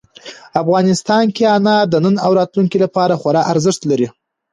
افغانستان کې انار د نن او راتلونکي لپاره خورا ارزښت لري.